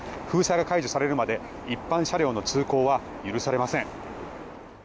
封鎖が解除されるまで一般車両の通行は許されません。